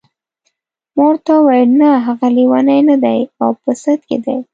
ما ورته وویل نه هغه لیونی نه دی او په سد کې دی.